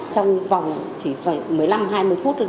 trong vòng chỉ một mươi năm hai mươi phút